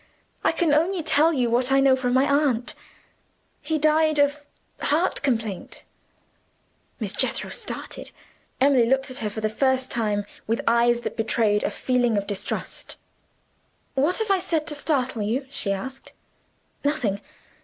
I can only tell you what I know from my aunt. He died of heart complaint." Miss Jethro started. Emily looked at her for the first time, with eyes that betrayed a feeling of distrust. "What have I said to startle you?" she asked. "Nothing!